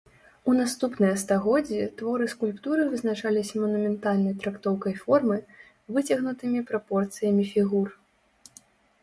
У наступныя стагоддзі творы скульптуры вызначаліся манументальнай трактоўкай формы, выцягнутымі прапорцыямі фігур.